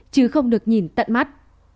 chứ không được nhìn tận mắt